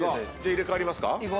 入れ替わりますか。